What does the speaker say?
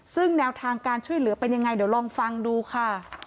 ซึ่งแนวทางการช่วยเหลือเป็นยังไงเดี๋ยวลองฟังดูค่ะ